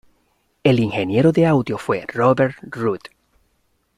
El ingeniero de audio fue Robert Root.